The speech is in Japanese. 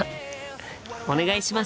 お願いします！